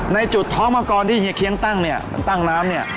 ในจุดท้องมังกรที่เฮียเคียงตั้งเนี่ยตั้งน้ำเนี่ย